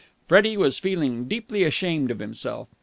Freddie was feeling deeply ashamed of himself.